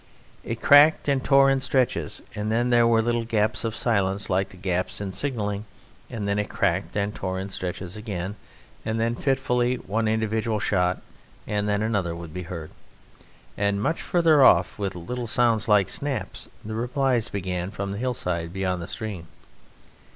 It cracked and tore in stretches. Then there were little gaps of silence like the gaps in signalling, and then it cracked and tore in stretches again; and then, fitfully, one individual shot and then another would be heard; and, much further off, with little sounds like snaps, the replies began from the hillside beyond the stream.